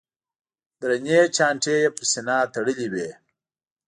درنې چانټې یې پر سینه تړلې وې.